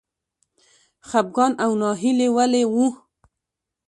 خپګان او ناهیلي ولې وه.